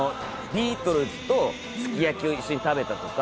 ビートルズとすき焼きを一緒に食べたとか。